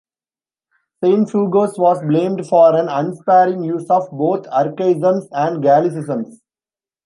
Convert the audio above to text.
Cienfuegos was blamed for an unsparing use of both archaisms and gallicisms.